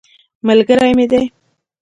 ملګری مې دی.